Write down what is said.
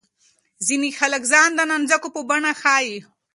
ځینې خلک ځان د نانځکو په بڼه ښيي.